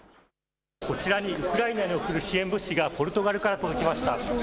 こちらにウクライナに送る支援物資がポルトガルから届きました。